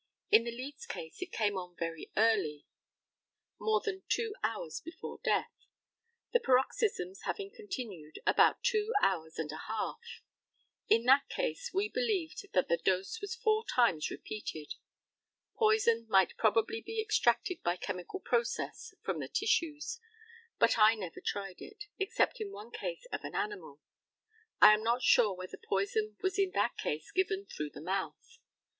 In the Leeds case it came on very early, more than two hours before death, the paroxysms having continued about two hours and a half. In that case we believed that the dose was four times repeated. Poison might probably be extracted by chemical process from the tissues, but I never tried it, except in one case of an animal. I am not sure whether poison was in that case given through the mouth.